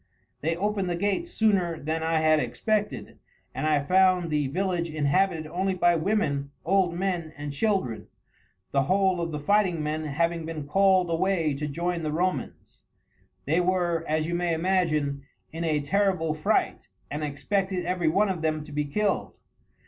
They opened the gates sooner than I had expected, and I found the village inhabited only by women, old men, and children, the whole of the fighting men having been called away to join the Romans. They were, as you may imagine, in a terrible fright, and expected every one of them to be killed.